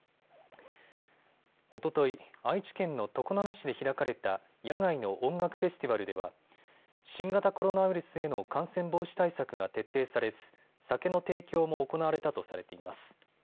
おととい、愛知県の常滑市で開かれた野外の音楽フェスティバルでは新型コロナウイルスへの感染防止対策が徹底されず酒の提供も行われたとされています。